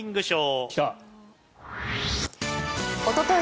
おととい